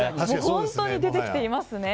本当に出てきていますね。